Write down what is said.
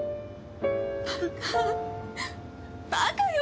バカバカよ！